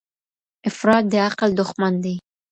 افراط د عقل دښمن دی.